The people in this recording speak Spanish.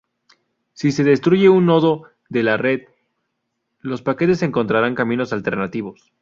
Si se destruye un nodo de la red, los paquetes encontrarán caminos alternativos.